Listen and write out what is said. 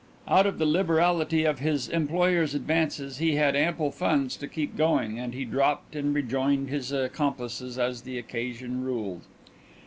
Out of the liberality of his employer's advances he had ample funds to keep going, and he dropped and rejoined his accomplices as the occasion ruled.